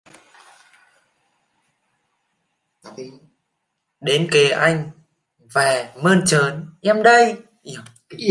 đến kề anh và mơn trớn:" Em đây! "